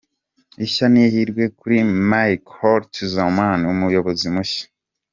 Ishya n’ihirwe kuri Marc Holtzman umuyobozi mushya.